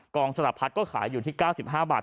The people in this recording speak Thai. สลับพัดก็ขายอยู่ที่๙๕บาท